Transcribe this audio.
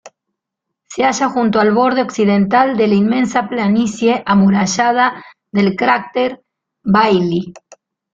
Se halla junto al borde occidental de la inmensa planicie amurallada del cráter Bailly.